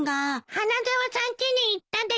花沢さんちに行ったです。